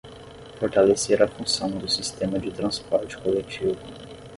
Fortalecer a função do sistema de transporte coletivo